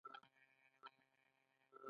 ایا زه باید بهر اوسم؟